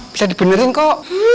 bisa dibenerin kok